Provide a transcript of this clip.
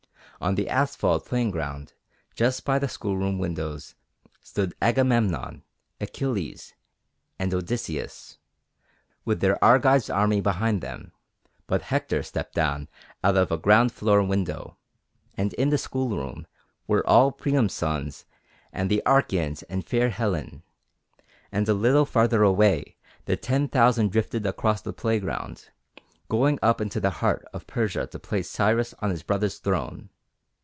On the asphalt playing ground, just by the schoolroom windows, stood Agamemnon, Achilles, and Odysseus, with their Argives armed behind them; but Hector stepped down out of a ground floor window, and in the schoolroom were all Priam's sons and the Achæans and fair Helen; and a little farther away the Ten Thousand drifted across the playground, going up into the heart of Persia to place Cyrus on his brother's throne.